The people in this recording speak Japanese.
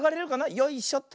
よいしょっと。